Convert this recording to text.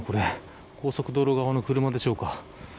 高速道路側の車でしょうか。